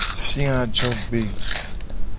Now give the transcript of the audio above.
Fia ajogbe.